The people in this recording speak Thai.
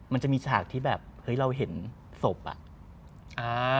มันจะมีฉากที่แบบเราเห็นศพอ่ะ